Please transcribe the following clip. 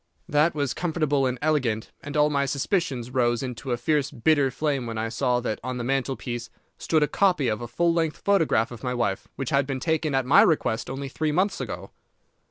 That was comfortable and elegant, and all my suspicions rose into a fierce bitter flame when I saw that on the mantelpiece stood a copy of a full length photograph of my wife, which had been taken at my request only three months ago.